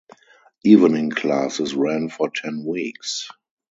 Evening classes ran for ten weeks.